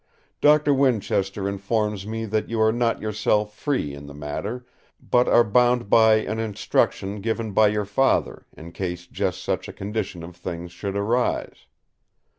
Doctor Winchester informs me that you are not yourself free in the matter, but are bound by an instruction given by your Father in case just such a condition of things should arise.